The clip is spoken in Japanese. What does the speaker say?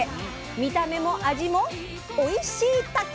見た目も味もおいしいたけ⁉